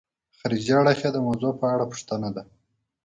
خارجي اړخ یې د موضوع په اړه پوښتنه ده.